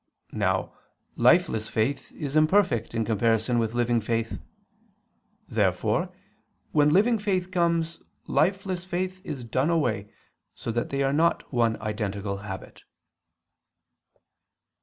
Now lifeless faith is imperfect in comparison with living faith. Therefore when living faith comes, lifeless faith is done away, so that they are not one identical habit.